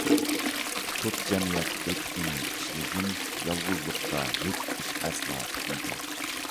تۇت جەمئىيەت ئېتىكىنى، ئىشلىگىن، يالغۇزلۇقتا ھېچ ئىش ئەسلا پۈتمىگەي.